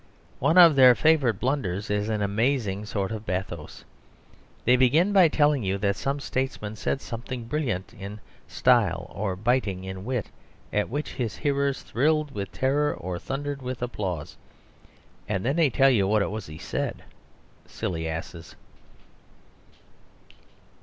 One of their favourite blunders is an amazing sort of bathos. They begin by telling you that some statesman said something brilliant in style or biting in wit, at which his hearers thrilled with terror or thundered with applause. And then they tell you what it was that he said. Silly asses!